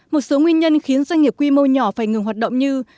một số nguyên nhân khiến doanh nghiệp quy mô nhỏ phải ngừng hoạt động như